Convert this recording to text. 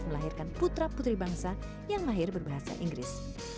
melahirkan putra putri bangsa yang lahir berbahasa inggris